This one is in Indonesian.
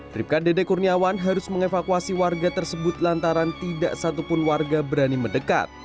bribka dede kurniawan harus mengevakuasi warga tersebut lantaran tidak satupun warga berani mendekat